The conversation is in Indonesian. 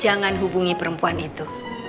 jangan hubungi perempuan itu